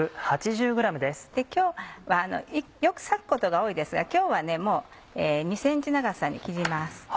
よくさくことが多いですが今日は２ｃｍ長さに切ります。